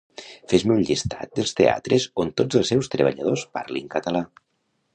Fes-me un llistat dels teatres on tots els seus treballadors parlin català